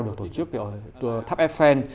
được tổ chức ở tháp eiffel